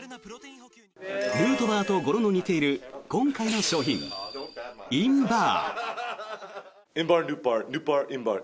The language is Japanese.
ヌートバーと語呂の似ている今回の商品、ｉｎバー。